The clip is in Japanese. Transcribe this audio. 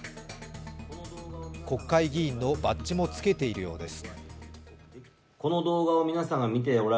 国会議員のバッジもつけているようです。